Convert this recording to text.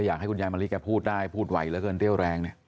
ผมอยากให้คุณยายมาลิไหมแกพูดได้พูดไหวแล้วกันเรียวแรงเนี่ย